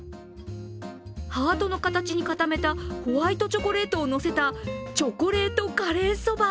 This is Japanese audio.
ハートの形に固めたホワイトチョコレートをのせたチョコレートカレー蕎麦。